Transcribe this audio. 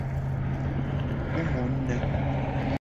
ụmụnne